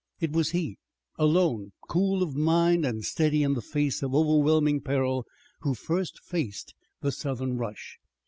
It was he, alone, cool of mind and steady in the face of overwhelming peril, who first faced the Southern rush.